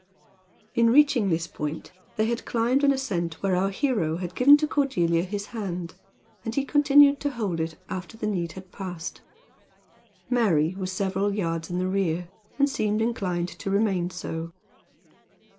In reaching this point, they had climbed an ascent where our hero had given to Cordelia his hand; and he continued to hold it after the need had passed. Mary was several yards in the rear, and seemed inclined to remain so.